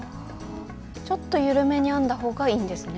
ちょっと緩めに編んだ方がいいんですね。